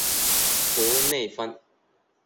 博内丰。